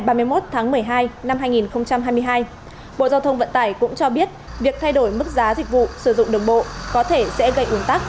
bộ giao thông vận tải cũng cho biết việc thay đổi mức giá dịch vụ sử dụng đường bộ có thể sẽ gây ủn tắc